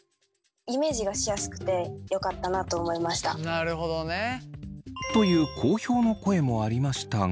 なるほどね。という好評の声もありましたが。